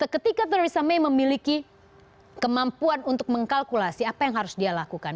ketika theresa may memiliki kemampuan untuk mengkalkulasi apa yang harus dia lakukan